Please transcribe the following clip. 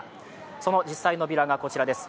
その実際のビラがこちらです。